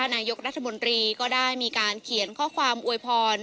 นายกรัฐมนตรีก็ได้มีการเขียนข้อความอวยพร